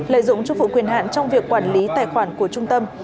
lợi dụng chúc phụ quyền hạn trong việc quản lý tài khoản của trung tâm